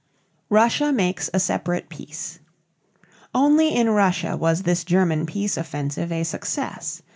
RUSSIA MAKES A SEPARATE PEACE. Only in Russia was this German peace offensive a success.